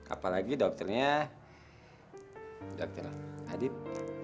apalagi dokternya dokter radit